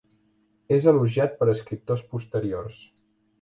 És elogiat per escriptors posteriors.